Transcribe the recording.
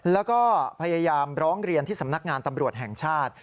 แล้วก็พยายามร้องเรียนที่สำนักงานตำรวจแห่งชาติ